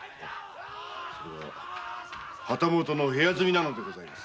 それが旗本の部屋住みなのでございます。